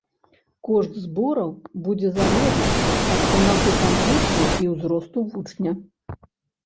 Кошт збораў будзе залежаць ад паўнаты камплекту і ўзросту вучня.